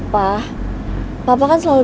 pak papa kan selalu